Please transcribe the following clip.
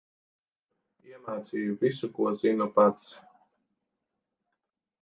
Iemācīju visu, ko zinu pats.